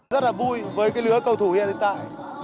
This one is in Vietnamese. rất là vui với cái lứa cầu thủ hiện tại